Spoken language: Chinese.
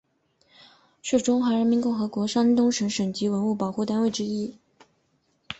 是中华人民共和国山东省省级文物保护单位之一。